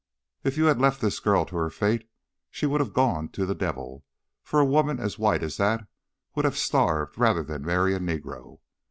If you had left this girl to her fate, she would have gone to the devil, for a woman as white as that would have starved rather than marry a negro.